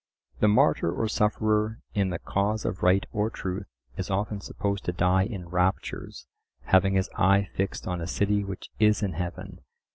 The martyr or sufferer in the cause of right or truth is often supposed to die in raptures, having his eye fixed on a city which is in heaven.